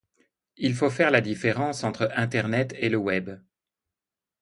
Il faut faire la différence entre internet et le web !